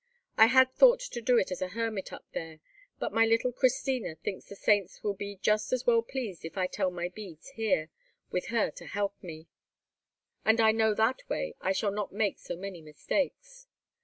I had thought to do it as a hermit up there; but my little Christina thinks the saints will be just as well pleased if I tell my beads here, with her to help me, and I know that way I shall not make so many mistakes.